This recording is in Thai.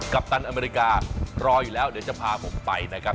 ปตันอเมริการออยู่แล้วเดี๋ยวจะพาผมไปนะครับ